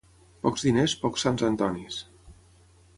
Pocs diners, pocs sants Antonis.